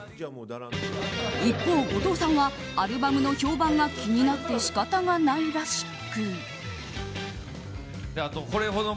一方、後藤さんはアルバムの評判が気になって仕方がないらしく。